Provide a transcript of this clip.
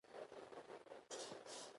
ګڼ شمېر وګړي له کورونو او ځمکو ایستل شوي وو